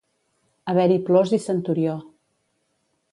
Haver-hi plors i centurió.